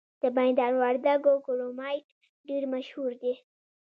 د میدان وردګو کرومایټ ډیر مشهور دی.